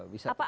bisa dua kali